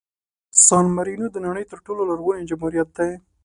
سان مارینو د نړۍ تر ټولو لرغوني جمهوریت دی.